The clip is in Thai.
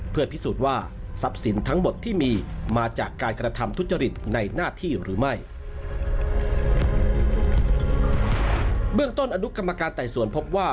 เบื้องต้นอนุคกรรมการไต่สวนพบว่า